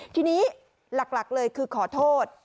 ทีนี้หลักเลยคือขอโทษ